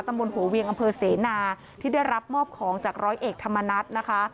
ตำรวจหัวเวียงอำเภอเสนาที่ได้รับมอบของจากร้อยเอกธรรมนัฐนะคะ